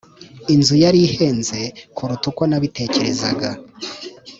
[] inzu yari ihenze kuruta uko nabitekerezaga.